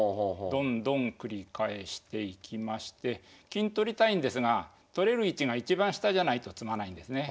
どんどん繰り返していきまして金取りたいんですが取れる位置が一番下じゃないと詰まないんですね。